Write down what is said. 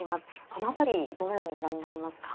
この辺りどのようにご覧になりますか。